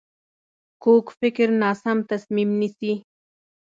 کوږ فکر ناسم تصمیم نیسي